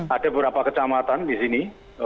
ada beberapa kecamatan di sini